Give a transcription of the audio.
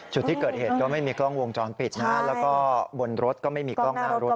จุดที่เกิดเหตุก็ไม่มีกล้องวงจรปิดนะแล้วก็บนรถก็ไม่มีกล้องหน้ารถ